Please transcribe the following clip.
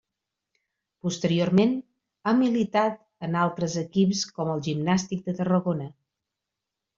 Posteriorment, ha militat en altres equips com el Gimnàstic de Tarragona.